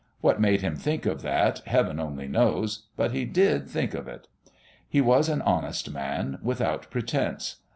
What made him think of that, Heaven only knows, but he did think of it. He was an honest man without pretence.